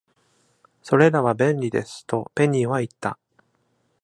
「それらは便利です」とペニーは言った。